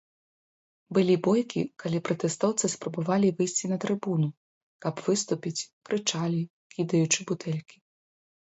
Былі бойкі, калі пратэстоўцы спрабавалі выйсці на трыбуну, каб выступіць, крычалі, кідаючы бутэлькі.